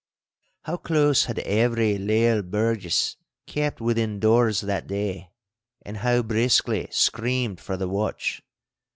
How close had every leal burgess kept within doors that day and how briskly screamed for the watch!